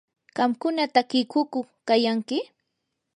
¿qamkuna takiykuqku kayanki?